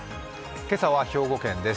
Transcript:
今朝は兵庫県です